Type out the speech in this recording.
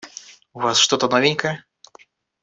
У Вас что-то новенькое?